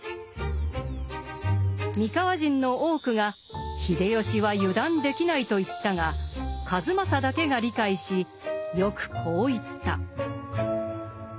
三河人の多くが秀吉は油断できないと言ったが数正だけが理解しよくこう言った。